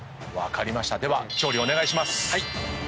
では調理お願いします。